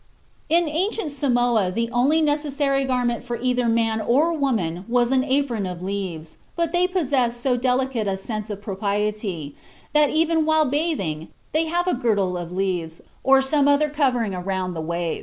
In ancient Samoa the only necessary garment for either man or woman was an apron of leaves, but they possessed so "delicate a sense of propriety" that even "while bathing they have a girdle of leaves or some other covering around the waist."